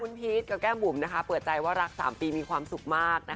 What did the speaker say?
คุณพีชกับแก้มบุ๋มเปิดใจว่ารัก๓ปีมีความสุขมาก